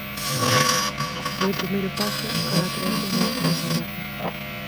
Este foi o primeiro paso cara á creación da Austria moderna.